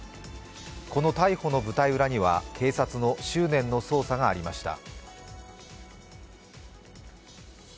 この逮捕の舞台裏には警察の執念の捜査がありました。